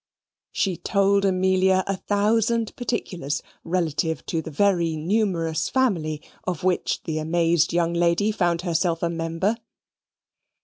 She told Amelia a thousand particulars relative to the very numerous family of which the amazed young lady found herself a member.